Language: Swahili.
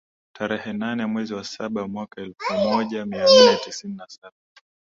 tarehe nane mwezi wa saba mwaka elfu moja mia nne tisini na Saba